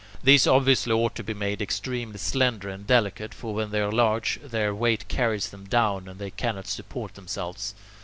These obviously ought to be made extremely slender and delicate, for when they are large, their weight carries them down, and they cannot support themselves.